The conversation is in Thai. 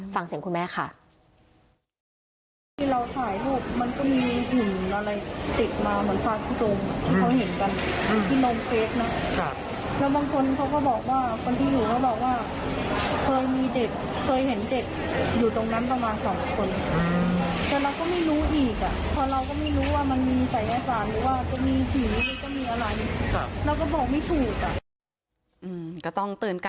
ฟังเสียงคุณแม่ค่ะ